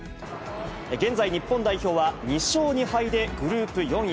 現在、日本代表は２勝２敗でグループ４位。